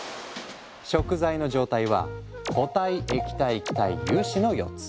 食材の状態は固体液体気体油脂の４つ。